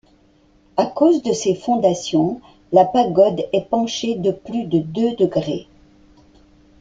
À cause de ses fondations, la pagode est penchée de plus de deux degrés.